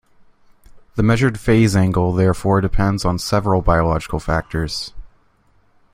The measured phase angle therefore depends on several biological factors.